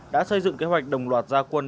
đã xây dựng kế hoạch đồng loạt gia quân